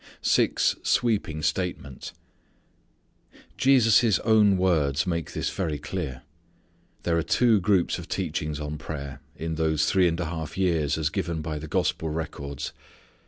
Six Sweeping Statements. Jesus' own words make this very clear. There are two groups of teachings on prayer in those three and a half years as given by the gospel records.